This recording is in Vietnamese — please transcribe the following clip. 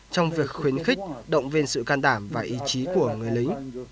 trong việc khuyến khích động viên sự can đảm và ý chí của người lính